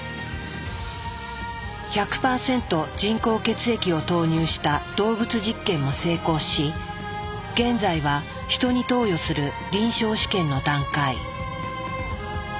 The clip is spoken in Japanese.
１００％人工血液を投入した動物実験も成功し現在はヒトに投与する臨床試験の段階。